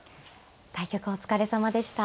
対局お疲れさまでした。